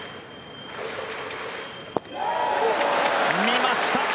見ました。